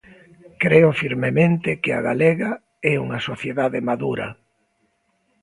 Creo firmemente que a galega é unha sociedade madura.